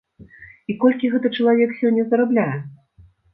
І колькі гэты чалавек сёння зарабляе?